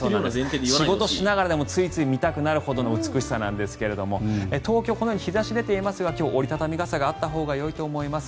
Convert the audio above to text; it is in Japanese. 仕事をしながらもついつい見たくなるほどの美しさなんですが東京は今日、日差しが出ていますが今日、折り畳み傘があったほうがいいと思います。